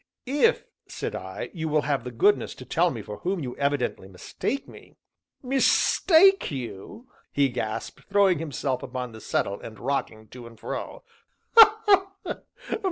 "If," said I, "you will have the goodness to tell me for whom you evidently mistake me " "Mistake you!" he gasped, throwing himself upon the settle and rocking to and fro, "ha! ha!